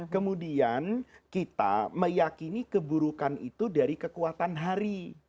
kemudian kita meyakini keburukan itu dari kekuatan hari